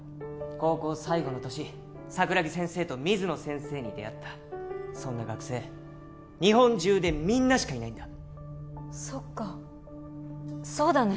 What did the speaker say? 高校最後の年桜木先生と水野先生に出会ったそんな学生日本中でみんなしかいないんだそっかそうだね